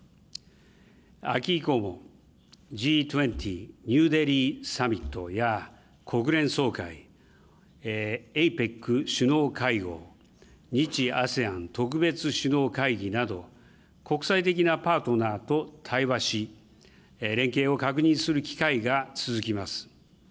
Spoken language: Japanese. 秋以降も、Ｇ２０ニューデリーサミットや、国連総会、ＡＰＥＣ首脳会合、日・ＡＳＥＡＮ特別首脳会議など、国際的なパートナーと対話し、連携を確認する機会が続きます。